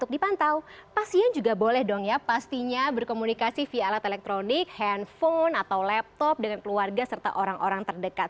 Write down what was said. dan pantau pasien juga boleh dong ya pastinya berkomunikasi via alat elektronik handphone atau laptop dengan keluarga serta orang orang terdekat